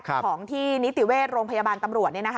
ของที่นิติเวชโรงพยาบาลตำรวจ